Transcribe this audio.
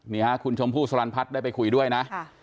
นี่ฮะคุณชมพู่สลันพัฒน์ได้ไปคุยด้วยนะ